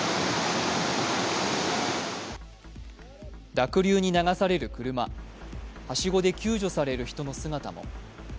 濁流に流される車はしごで救助される人の姿も。